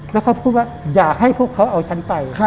แล้วเขาพูดว่าอยากให้พวกเขาเอาฉันไป